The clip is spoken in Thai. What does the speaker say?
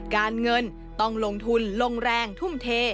การเงินต้องลงทุนลงแรงทุ่มเท